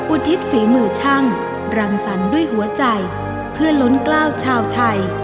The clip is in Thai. อุทิศฝีมือช่างรังสรรค์ด้วยหัวใจเพื่อลุ้นกล้าวชาวไทย